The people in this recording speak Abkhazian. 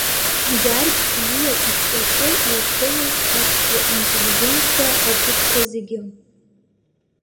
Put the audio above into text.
Гьаргь Гәлиа ишәҟәаҿы иуԥылоит аԥсуа интеллигенциа агәыԥқәа зегьы…